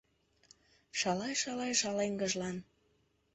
Шалай-шалай шалеҥгыжлан